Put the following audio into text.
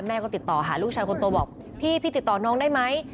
ก็ติดต่อหาลูกชายคนโตบอกพี่ติดต่อน้องได้ไหม